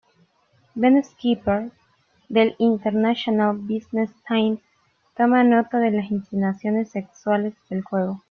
Ben Skipper del "International Business Times" toma nota de las insinuaciones sexuales del juego.